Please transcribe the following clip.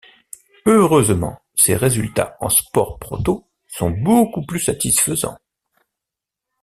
Heureusement, ses résultats en Sport-Proto sont beaucoup plus satisfaisants.